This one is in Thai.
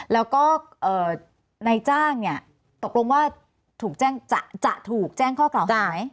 แล้วก็ในจ้างเนี่ยตกลงว่าถูกแจ้งจะถูกแจ้งข้อกล่าวหาไหม